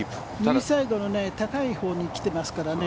右サイドの高いほうに来ていますからね。